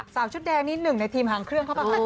สาวชุดแดงนิดหนึ่งในทีมหางเครื่องเข้าไป